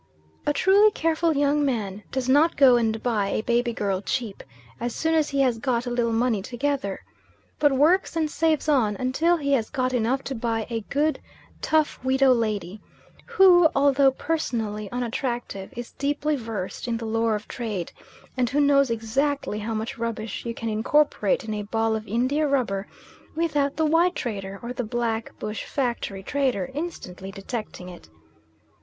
A truly careful young man does not go and buy a baby girl cheap, as soon as he has got a little money together; but works and saves on until he has got enough to buy a good, tough widow lady, who, although personally unattractive, is deeply versed in the lore of trade, and who knows exactly how much rubbish you can incorporate in a ball of india rubber, without the white trader, or the black bush factory trader, instantly detecting it.